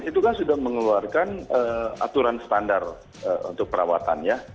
itu kan sudah mengeluarkan aturan standar untuk perawatan ya